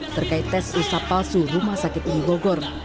terkait tes usap palsu rumah sakit ibu gogor